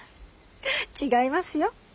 違いますよ。